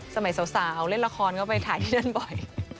สมัยสาวเล่นละครก็ไปถ่ายที่นั่นบ่อย